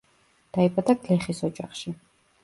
დაიბადა გლეხის ოჯახში.